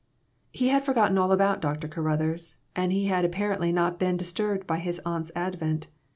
He had forgotten all about Dr. Caruthers, and he had not apparently been dis turbed by his aunt's advent.